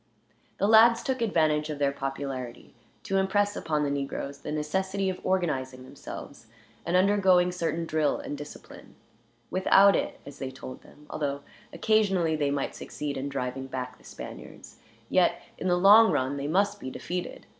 The lads took advantage of their popularity to impress upon the negroes the necessity of organizing themselves, and undergoing certain drill and discipline; without it, as they told them, although occasionally they might succeed in driving back the Spaniards, yet in the long run they must be defeated.